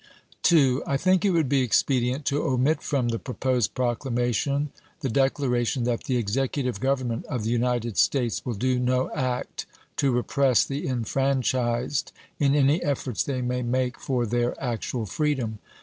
II. I think it woidd be expedient to omit from the pro posed proclamation the declaration that the Executive Government of the United States will do no act to repress the enfranchised in any efforts they may make for their actual freedom.